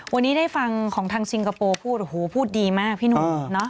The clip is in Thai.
วันนี้ได้ฟังของทางสิงคโปร์พูดพูดดีมากพี่หนู